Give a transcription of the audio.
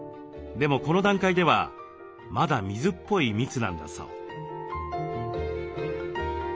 でもこの段階ではまだ水っぽい蜜なんだそう。